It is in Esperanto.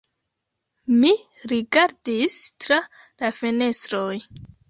Mi rigardis tra la fenestroj.